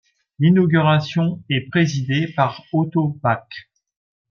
L'inauguration est présidée par Otto Back.